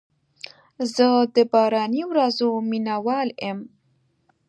زه د باراني ورځو مینه وال یم.